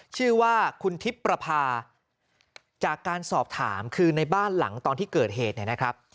ชื่อว่าคุณทิพย์ประพาจากการสอบถามคือในบ้านหลังตอนที่เกิดเหตุเนี่ยนะครับ